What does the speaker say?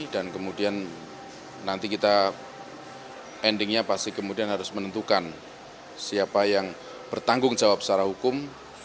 dan kemudian nanti kita endingnya pasti kemudian harus menentukan siapa yang bertanggung jawab secara hukum